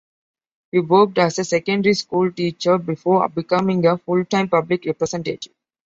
He worked as a secondary school teacher before becoming a full-time public representative.